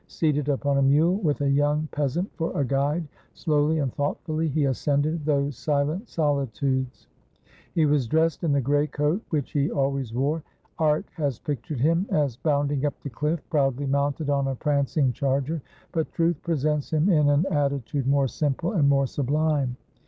Seated upon a mule, with a young peasant for a guide, slowly 123 ITALY and thoughtfully he ascended those silent solitudes. He was dressed in the gray coat which he always wore. Art has pictured him as bounding up the cliff, proudly mounted on a prancing charger; but truth presents him in an attitude more simple and more sublime.